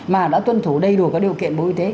mà đã tuân thủ đầy đủ các điều kiện bộ y tế